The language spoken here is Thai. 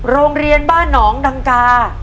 โรงเรียนบ้านหนองดังกา